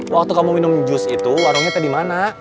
waktu kamu minum jus itu warungnya tadi mana